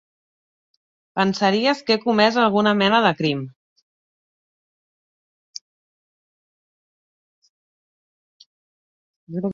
Pensaries que he comès alguna mena de crim!